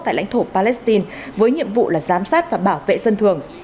tại lãnh thổ palestine với nhiệm vụ là giám sát và bảo vệ dân thường